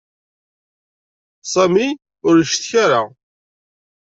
Sami ur icetka ara.